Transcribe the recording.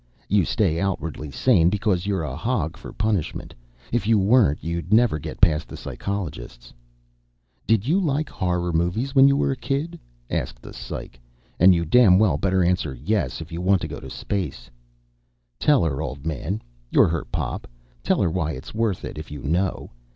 You stay outwardly sane because you're a hog for punishment; if you weren't, you'd never get past the psychologists. "Did you like horror movies when you were a kid?" asked the psych. And you'd damn well better answer "yes," if you want to go to space. Tell her, old man, you're her pop. Tell her why it's worth it, if you know.